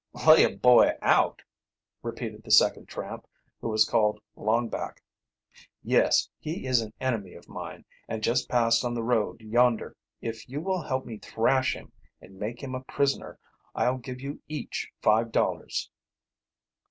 "Lay a boy out?" repeated the second tramp, who was called Longback. "Yes, he is an enemy of mine, and just passed on the road yonder. If you will help me thrash him and make him a prisoner, I'll give you each five dollars."